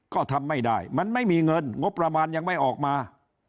ก็ทำไม่ได้มันไม่มีเงินงบประมาณยังไม่ออกมา